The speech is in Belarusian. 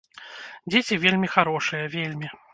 Дзеці вельмі харошыя, вельмі.